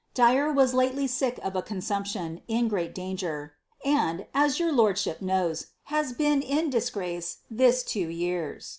Dyer was lately sick of a consumption, in great danger, and (as your lordship knows) has been in disgrace this two years.